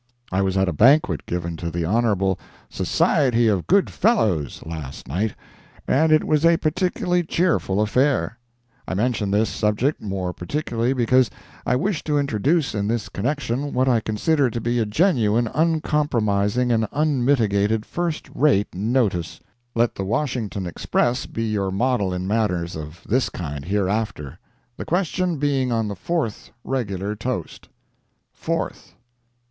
I was at a banquet given to the honorable "Society of Good Fellows," last night, and it was a particularly cheerful affair. I mention this subject more particularly, because I wish to introduce in this connection what I consider to be a genuine uncompromising and unmitigated "first rate notice." Let the Washington Express be your model in matters of this kind hereafter. The question being on the fourth regular toast: Fourth.